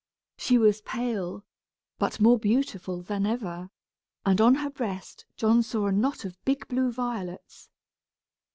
She was pale, but more beautiful than ever, and on her breast John saw a knot of big blue violets.